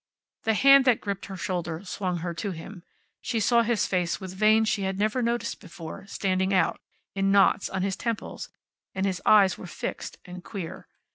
The hand that gripped her shoulder swung her to him. She saw his face with veins she had never noticed before standing out, in knots, on his temples, and his eyes were fixed and queer.